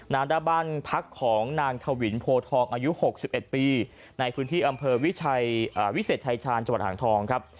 หน้าบ้านพักของนางถวินโพทองอายุ๖๑ปีในพื้นที่อำเภอวิเศษชายชาญจังหวัดอ่างทองครับ